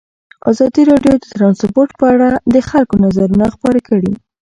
ازادي راډیو د ترانسپورټ په اړه د خلکو نظرونه خپاره کړي.